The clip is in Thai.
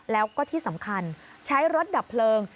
แล้วก็ที่สำคัญใช้รถดับเพลิง